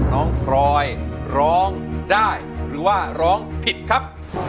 น้องพลอยร้องได้หรือว่าร้องผิดครับ